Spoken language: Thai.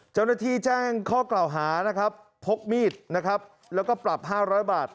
เจ้าหน้าที่แจ้งข้อกล่าวหานะครับพกมีดนะครับแล้วก็ปรับ๕๐๐บาท